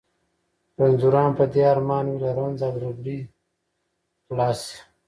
رنځوران په دې ارمان وي له رنځ او ربړې خلاص شي.